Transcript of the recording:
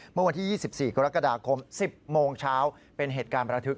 เมื่อวันที่๒๔กรกฎาคม๑๐โมงเช้าเป็นเหตุการณ์ประทึก